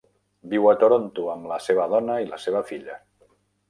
Viu a Toronto amb la seva dona i la seva filla.